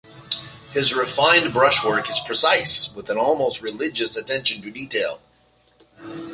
His refined brushwork is precise, with an almost religious attention to detail.